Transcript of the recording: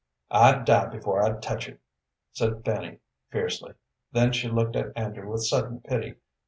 "I'd die before I'd touch it," said Fanny, fiercely. Then she looked at Andrew with sudden pity.